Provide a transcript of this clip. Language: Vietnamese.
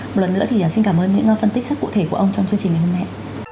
một lần nữa thì xin cảm ơn những phân tích rất cụ thể của ông trong chương trình ngày hôm nay